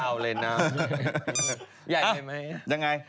ใหญ่ไหมยังไง